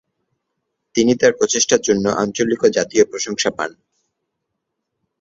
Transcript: তিনি তার প্রচেষ্টার জন্য আঞ্চলিক এবং জাতীয় প্রশংসা পান।